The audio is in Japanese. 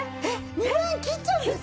２万切っちゃうんですか！？